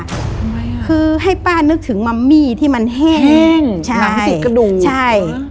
ทำไมอ่ะคือให้ป้านึกถึงมัมมี่ที่มันแห้งแห้งใช่หนังสีกระดูกใช่